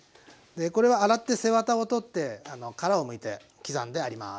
これは洗って背ワタを取って殻をむいて刻んであります。